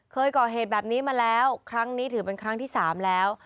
เคยก่อเหตุแบบนี้มาแล้วครั้งนี้ถือเป็นครั้งที่๓แล้ว